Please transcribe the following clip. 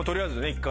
一回。